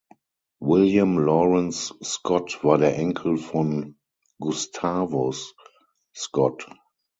William Lawrence Scott war der Enkel von Gustavus Scott.